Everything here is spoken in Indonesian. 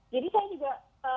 jadi saya juga